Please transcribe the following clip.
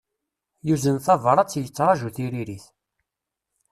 Yuzen tabrat, yettraju tiririt.